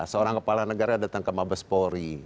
seorang kepala negara datang ke mabespori